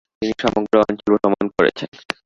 তিনি সমগ্র অঞ্চল ভ্রমণ করেছেন।